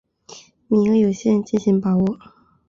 名额有限，敬请把握